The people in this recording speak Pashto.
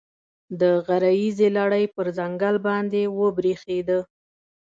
د غره ییزې لړۍ پر ځنګل باندې وبرېښېده.